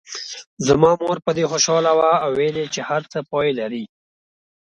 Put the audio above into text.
زما مور په دې خوشاله وه او ویل یې هر څه پای لري.